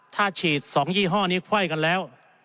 ถ้าฉีด๒ยี่ห้อนี้ไขว้กันแล้ว